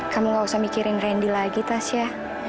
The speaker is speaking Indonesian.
kamu nggak usah mikirin randi lagi tessa